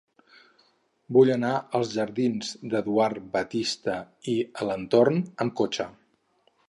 Vull anar als jardins d'Eduard Batiste i Alentorn amb cotxe.